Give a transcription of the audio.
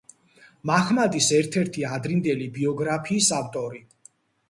მაჰმადის ერთ-ერთი ადრინდელი ბიოგრაფიის ავტორი.